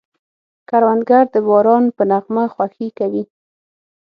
کروندګر د باران په نغمه خوښي کوي